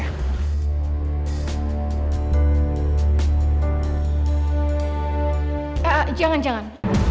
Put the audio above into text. eee jangan jangan